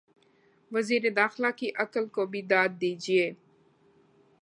وزیر داخلہ کی عقل کو بھی داد دیجئے۔